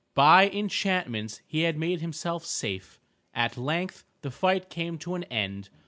By enchantments he had made himself safe. At length the fight came to an end.